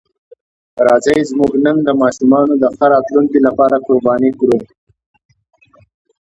راځئ زموږ نن د ماشومانو د ښه راتلونکي لپاره قرباني کړو.